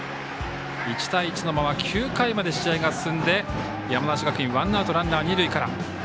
１対１のまま９回まで試合が進んで山梨学院、ワンアウトランナー、二塁から。